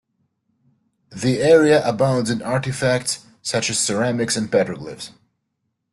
The area abounds in artifacts such as ceramics and petroglyphs.